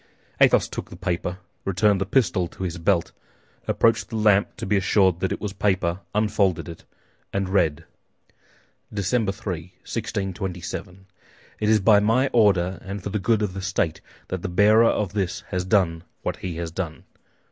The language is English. Athos took the paper, returned the pistol to his belt, approached the lamp to be assured that it was the paper, unfolded it, and read: "Dec. 3, 1627 "It is by my order and for the good of the state that the bearer of this has done what he has done.